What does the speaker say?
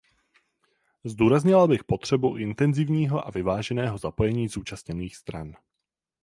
Zdůraznila bych potřebu intenzivního a vyváženého zapojení zúčastněných stran.